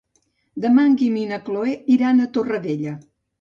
Demà en Guim i na Cloè iran a Torrevella.